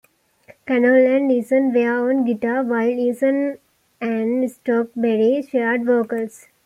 Connell and Eason were on guitar, while Eason and Stooksberry shared vocals.